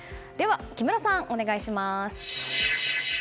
木村さん、お願いします。